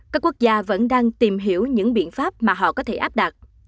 các quốc gia vẫn đang tìm hiểu những biện pháp mà họ có thể áp đặt